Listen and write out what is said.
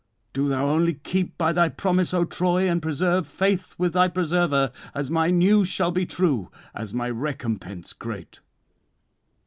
Do thou only keep by thy promise, O Troy, and preserve faith with thy preserver, as my news shall be true, as my recompense great.